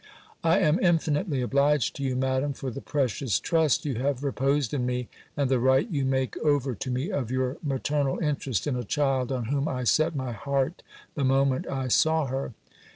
"I am infinitely obliged to you. Madam, for the precious trust you have reposed in me, and the right you make over to me, of your maternal interest in a child, on whom I set my heart, the moment I saw her.